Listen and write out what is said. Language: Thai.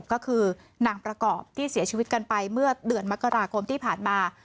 ก็คือนางประกอบที่เสียชีวิตกันไปเมื่อเดือนมกราคมที่ผ่านมา